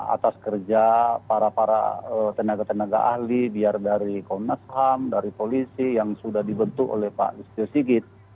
atas kerja para para tenaga tenaga ahli biar dari komnas ham dari polisi yang sudah dibentuk oleh pak listio sigit